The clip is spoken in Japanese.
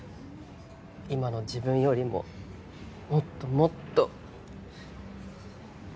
今の自分よりももっともっと。